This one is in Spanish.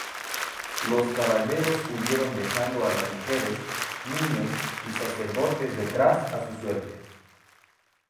Los caballeros huyeron dejando a las mujeres, niños y sacerdotes detrás a su suerte.